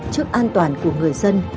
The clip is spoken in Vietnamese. trước an toàn của người dân